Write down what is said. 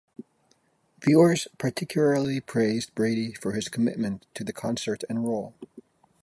Viewers particularly praised Brady for his commitment to the concert and role.